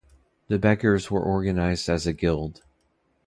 The beggars were organised as a guild.